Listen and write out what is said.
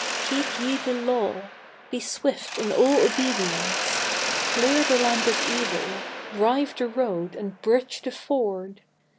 _ _Keep ye the Law be swift in all obedience. Clear the land of evil, drive the road and bridge the ford.